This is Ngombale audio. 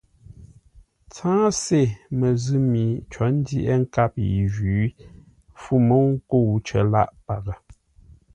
Tsáŋə́se məzʉ̂ mi có ndyəghʼə́ nkâp yi jwǐ fû mə́u ńkə̂u cər lâʼ paghʼə.